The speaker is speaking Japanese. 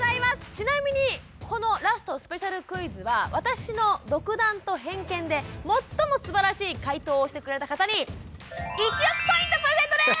ちなみにこのラストスペシャルクイズは私の独断と偏見で最もすばらしい解答をしてくれた方に１億ポイントプレゼントです！